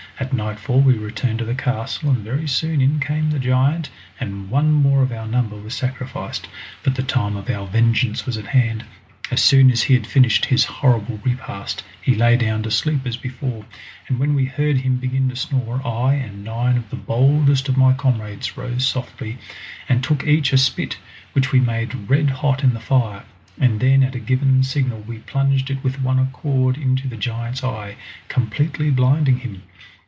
At nightfall we returned to the castle, and very soon in came the giant, and one more of our number was sacrificed. But the time of our vengeance was at hand! As soon as he had finished his horrible repast he lay down to sleep as before, and when we heard him begin to snore I, and nine of the boldest of my comrades, rose softly, and took each a spit, which we made red hot in the fire, and then at a given signal we plunged it with one accord into the giant's eye, completely blinding him.